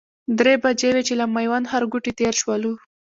درې بجې وې چې له میوند ښارګوټي تېر شولو.